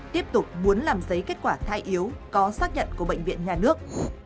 tiếp tục muốn làm giấy kết quả thai yếu có xác nhận của bệnh viện nhà nước